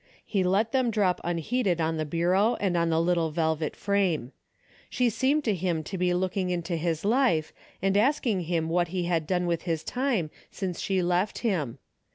He let them drop unheeded on the bureau and on the little velvet frame. She seemed to him to be looking into his life, and asking him what he had done with his time since she left him.